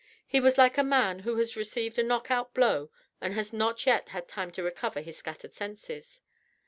He was like a man who has received a knock out blow and has not yet had time to recover his scattered senses.